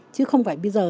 chứ không phải bây giờ